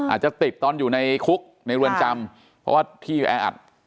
อาจจะติดตอนอยู่ในคุกในเรือนจำเพราะว่าที่แออัด